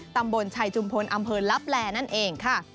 ตำบลชัยจุมพลอำเภอลับแลนั่นเองค่ะ